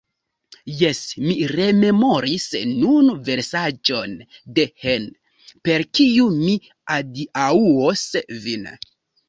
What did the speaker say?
Jes; mi rememoris nun versaĵon de Heine, per kiu mi adiaŭos vin.